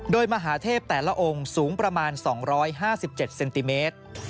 โดยมหาเทพแต่ละองค์สูงประมาณ๒๕๗เซนติเมตร